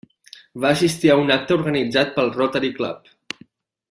Va assistir a un acte organitzat pel Rotary Club.